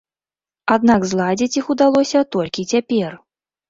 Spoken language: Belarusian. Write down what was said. Аднак зладзіць іх удалося толькі цяпер.